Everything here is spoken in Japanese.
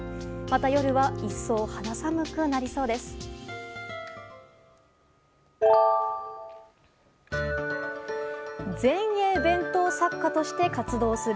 また夜は一層肌寒くなりそうです。